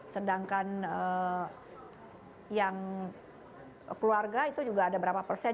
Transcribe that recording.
sedangkan yang keluarga itu juga ada berapa persen